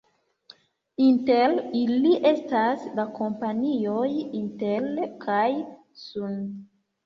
Inter ili estas la kompanioj Intel kaj Sun.